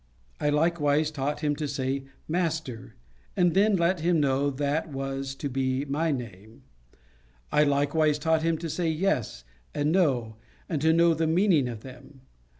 I likewise taught him to say Master, and then let him know that was to be my name; I likewise taught him to say yes and no, and to know the meaning of them.